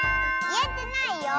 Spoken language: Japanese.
いえてないよ。